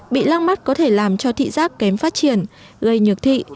bị lăng mắt có thể làm cho thị giác kém phát triển gây nhược thị